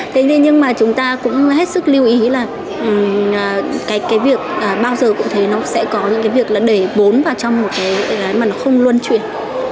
thế nhưng mà chúng ta cũng hết sức lưu ý là cái việc bao giờ cũng thấy nó sẽ có những cái việc là để bốn vào trong một cái mà nó không luân chuyển